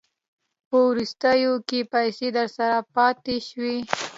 په وروستیو کې که پیسې درسره پاته شوې